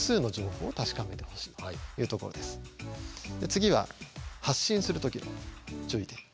次は発信する時の注意点。